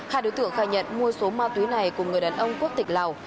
hai đối tượng khai nhận mua số ma túy này của người đàn ông quốc tịch lào